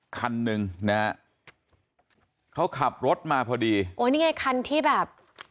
คันหนึ่งนะฮะเขาขับรถมาพอดีโอ้นี่ไงคันที่แบบ